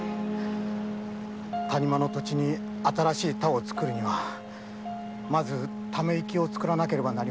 谷間の土地に新しい田を作るにはまず溜め池を作らなければなりません。